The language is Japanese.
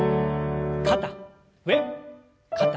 肩上肩下。